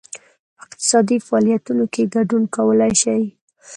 په اقتصادي فعالیتونو کې ګډون کولای شي.